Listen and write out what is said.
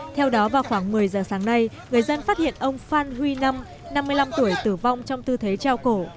theo đó vào khoảng một mươi giờ sáng nay người dân phát hiện ông phan huy năm năm mươi năm tuổi tử vong trong tư thế trao cổ